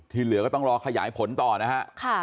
ที่เหลือก็ต้องรอขยายผลต่อนะครับ